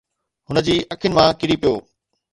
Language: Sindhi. هن جي اکين مان ڪري پيو.